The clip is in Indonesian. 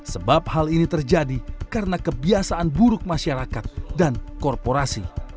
sebab hal ini terjadi karena kebiasaan buruk masyarakat dan korporasi